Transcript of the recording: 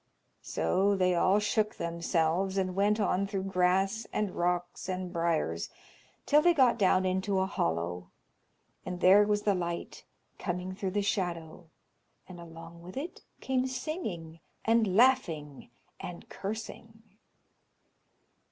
So they all shook themselves, and went on through grass, and rocks, and briars, till they got down into a hollow, and there was the light coming through the shadow, and along with it came singing, and laughing, and cursing.